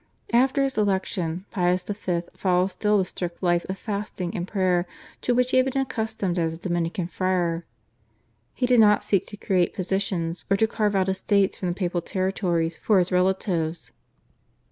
After his election Pius V. followed still the strict life of fasting and prayer to which he had been accustomed as a Dominican friar. He did not seek to create positions, or to carve out estates from the papal territories for his relatives.